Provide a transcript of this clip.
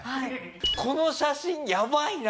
この写真やばいな！